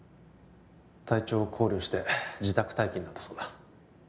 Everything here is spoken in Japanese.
体調を考慮して自宅待機になったそうだ